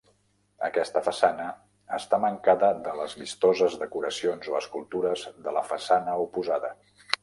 Aquesta façana està mancada de les vistoses decoracions o escultures de la façana oposada.